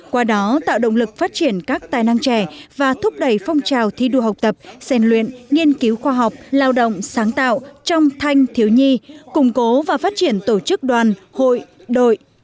qua đó tạo động lực phát triển các tài năng trẻ và thúc đẩy phong trào thi đua học tập xen luyện nghiên cứu khoa học lao động sáng tạo trong thanh thiếu nhi củng cố và phát triển tổ chức đoàn hội đội